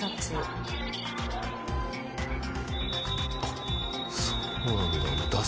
あっそうなんだ。